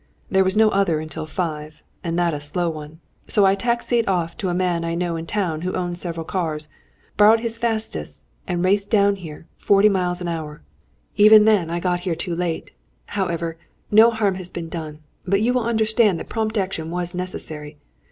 There was no other until five, and that a slow one. So I taxied off to a man I know in town who owns several cars, borrowed his fastest, and raced down here, forty miles an hour. Even then I got here too late. However, no harm has been done. But you will understand that prompt action was necessary.